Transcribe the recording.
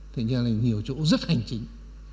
thì nhà này nhiều chỗ rất hành chính